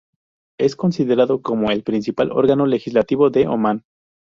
Es considerado como el principal órgano legislativo de Omán.